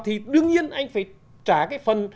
thì đương nhiên anh phải trả cái phần